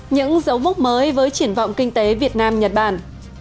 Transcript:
những dấu mốc mới với triển vọng kinh tế việt nam nhật bản